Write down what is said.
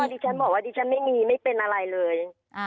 ดิฉันบอกว่าดิฉันไม่มีไม่เป็นอะไรเลย